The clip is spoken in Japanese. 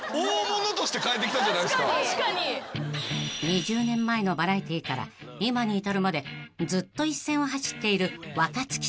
［２０年前のバラエティから今に至るまでずっと一線を走っている若槻さん］